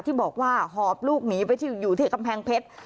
ที่บอกว่าหอบลูกหนีไปอยู่ที่กำแพงเพชร